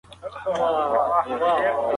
غمجنه او غموونکې هم توپير لري.